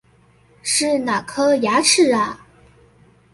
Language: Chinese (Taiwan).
是哪顆牙齒啊